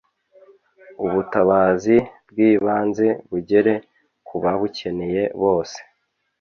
Ubutabazi bw’ibanze bugere kubabukeneye bose.